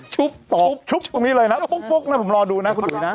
ตอบชุบตรงนี้เลยนะปุ๊กนะผมรอดูนะคุณอุ๋ยนะ